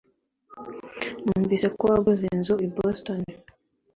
Numvise ko waguze inzu i Boston.